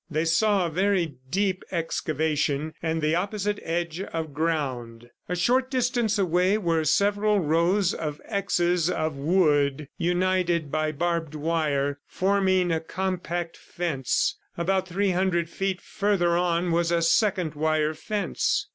They saw a very deep excavation and the opposite edge of ground. A short distance away were several rows of X's of wood united by barbed wire, forming a compact fence. About three hundred feet further on, was a second wire fence.